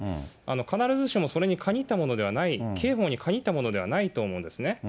必ずしもそれに限ったものではない、刑法に限ったものではないと思うんですね。